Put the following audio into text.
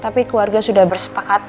tapi keluarga sudah bersepakat